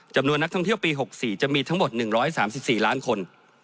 จำนวนนักท่องเที่ยวปี๖๔จะมีทั้งหมด๑๓๔ล้านคน